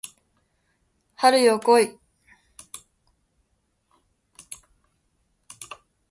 春よ来い